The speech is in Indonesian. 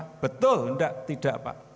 kalau tidak tidak pak